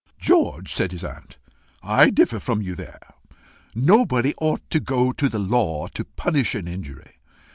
"George," said his aunt, "I differ from you there. Nobody ought to go to the law to punish an injury.